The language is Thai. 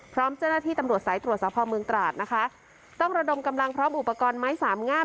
พร้อมเจ้าหน้าที่ตำรวจสายตรวจสภาพเมืองตราดนะคะต้องระดมกำลังพร้อมอุปกรณ์ไม้สามงาม